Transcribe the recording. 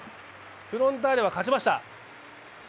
フロンターレが勝ちました。